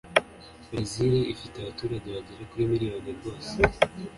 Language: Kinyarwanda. Burezili ifite abaturage bagera kuri miliyoni rwose